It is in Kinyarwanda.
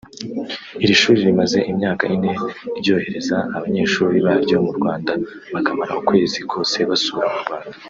Iri shuri rimaze imyaka ine ryohereza abanyeshuri baryo mu Rwanda bakamara ukwezi kose basura u Rwanda